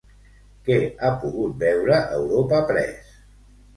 Què ha pogut veure Europa Press?